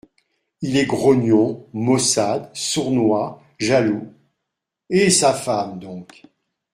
Il est grognon, maussade, sournois, jaloux… et sa femme donc !…